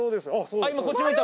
今こっち向いた？